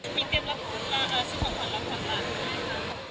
พี่เตรียมรับคุณค่ะชื่อของขวัญรับคุณค่ะ